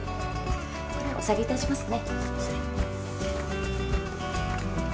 これお下げいたしますね。